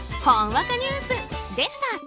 ほんわかニュースでした。